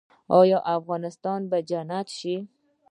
آیا افغانستان به جنت شي؟